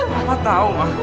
papa tahu ma